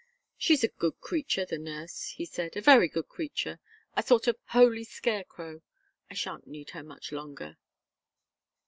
"She's a good creature, the nurse," he said. "A very good creature a sort of holy scarecrow. I shan't need her much longer."